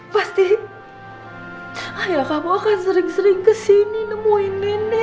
pasti ayo kamu akan sering sering kesini nemuin nenek